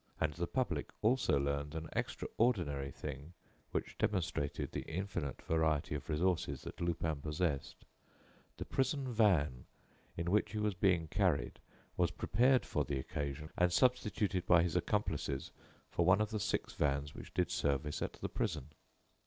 And the public also learned an extraordinary thing which demonstrated the infinite variety of resources that Lupin possessed: the prison van, in which he was being carried, was prepared for the occasion and substituted by his accomplices for one of the six vans which did service at the prison.